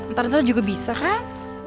ntar tua juga bisa kan